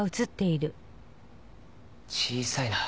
小さいな。